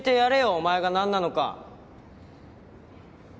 お前が何なのか。